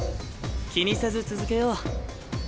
気にせず続けよう。